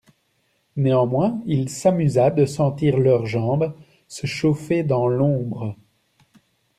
Néanmoins il s'amusa de sentir leurs jambes se chauffer dans l'ombre.